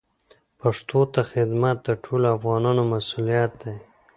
پښتو ته خدمت د ټولو افغانانو مسوولیت دی.